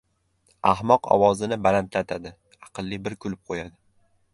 • Ahmoq ovozini balandlatadi, aqlli bir kulib qo‘yadi.